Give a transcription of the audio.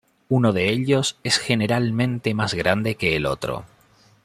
Uno de ellos es generalmente más grande que el otro.